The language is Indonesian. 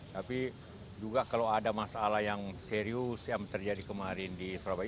tapi juga kalau ada masalah yang serius yang terjadi kemarin di surabaya